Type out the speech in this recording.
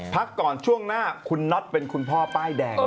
พักก่อนช่วงหน้าคุณน็อตเป็นคุณพ่อป้ายแดง